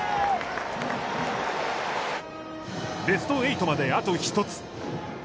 ベスト８まで、あと１つ。